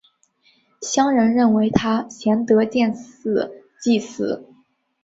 乡人认为他贤德建祠祭祀。